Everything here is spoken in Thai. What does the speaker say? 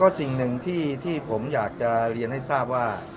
สิ่งหนึ่งที่ผมอยากจะเรียนให้ทราบว่า